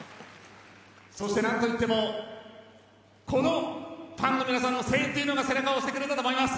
そして何と言ってもこのファンの皆さんの声援が背中を押してくれたと思います。